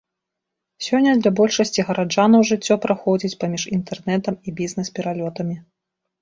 Сёння для большасці гараджанаў жыццё праходзіць паміж інтэрнэтам і бізнес-пералётамі.